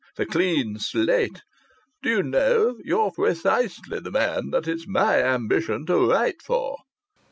The clean slate.... Do you know, you're precisely the man that it's my ambition to write for?"